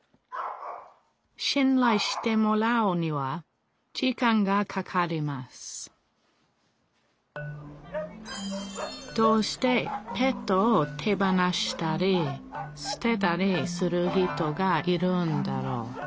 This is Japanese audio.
しんらいしてもらうには時間がかかりますどうしてペットを手放したりすてたりする人がいるんだろう？